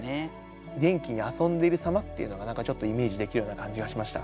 元気に遊んでいる様っていうのが何かちょっとイメージできるような感じがしました。